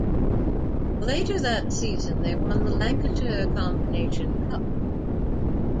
Later that season they won the Lancashire Combination Cup.